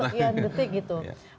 suara sekian detik gitu